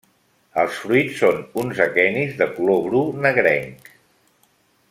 Els fruits són uns aquenis de color bru negrenc.